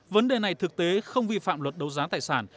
vấn đề này thực tế không vi phạm luật đấu giá tài sản